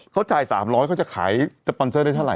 เขาจ่าย๓๐๐บาทเขาจะขายสุขวัญใหญ่ได้เท่าไร